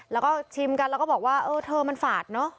แล้วก็ชิมกันแล้วก็บอกว่าเออเธอมันฝาดเนอะ